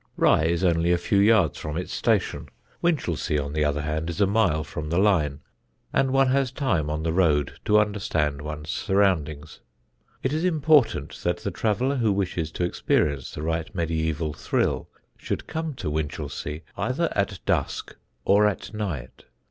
Rye is only a few yards from its station: Winchelsea, on the other hand, is a mile from the line, and one has time on the road to understand one's surroundings. It is important that the traveller who wishes to experience the right medieval thrill should come to Winchelsea either at dusk or at night.